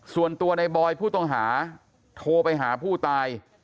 ส่วนตัวในบอยผู้ต้องหาโทรไปหาผู้ตาย